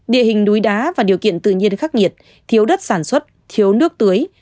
địa hình núi đá và điều kiện tự nhiên khắc nghiệt thiếu đất sản xuất thiếu nước tưới